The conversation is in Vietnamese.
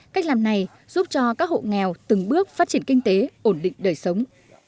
cách làm này giúp cho các hộ nghèo từng bước phát triển kinh tế ổn định đời sống